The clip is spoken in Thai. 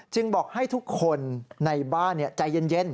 บอกให้ทุกคนในบ้านใจเย็น